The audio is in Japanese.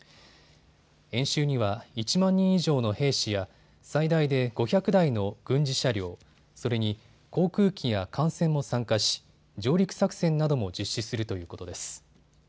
演習には１万人以上の兵士や最大で５００台の軍事車両、それに航空機や艦船も参加し、上陸作戦なども実施するということです。